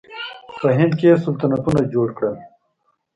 په هند کې یې سلطنتونه جوړ کړل.